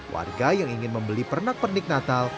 warga yang ingin membeli pernak pernik natal